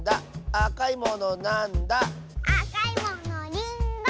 「あかいものなんだ？」